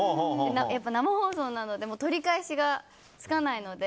やっぱり生放送なので取り返しがつかないので。